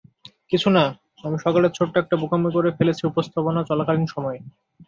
কিছুনা, আমি সকালে ছোট্ট একটা বোকামি করে ফেলেছি উপস্থাপনা চলাকালীন সময়ে।